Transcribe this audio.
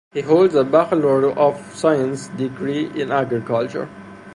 He holds a Bachelor of Science degree in Agriculture.